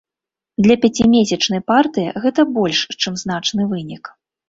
Для пяцімесячнай партыі гэта больш, чым значны вынік.